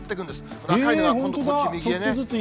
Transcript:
この赤いのが今度こっち右にね。